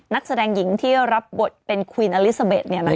นักแสดงหญิงที่รับบทเป็นควีนอลิซาเบ็ด